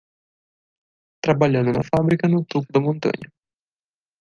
Trabalhando na fábrica no topo da montanha